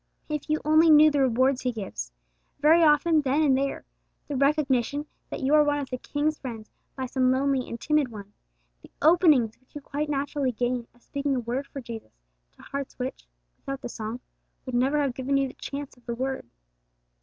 If you only knew the rewards He gives very often then and there; the recognition that you are one of the King's friends by some lonely and timid one; the openings which you quite naturally gain of speaking a word for Jesus to hearts which, without the song, would never have given you the chance of the word!